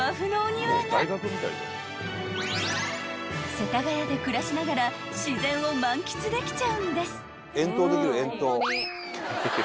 ［世田谷で暮らしながら自然を満喫できちゃうんです］